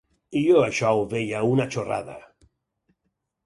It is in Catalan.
I jo això ho veia una xorrada!